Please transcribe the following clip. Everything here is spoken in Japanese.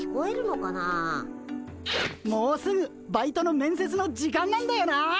もうすぐバイトの面接の時間なんだよな。